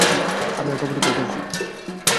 আপনার খবরটি দেখা উচিত।